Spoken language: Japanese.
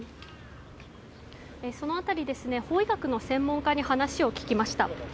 その辺り法医学の専門家に話を聞きました。